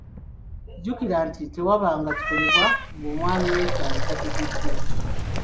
Jjukira nti tewaabanga kikolebwa ng’omwami w’ekyalo tategedde.